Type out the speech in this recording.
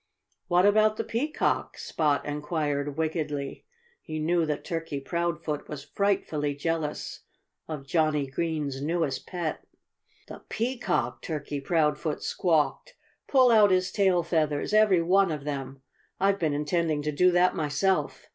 "What about the Peacock?" Spot inquired wickedly. He knew that Turkey Proudfoot was frightfully jealous of Johnnie Green's newest pet. "The Peacock!" Turkey Proudfoot squawked. "Pull out his tail feathers every one of them! I've been intending to do that myself.